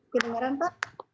ke dengeran pak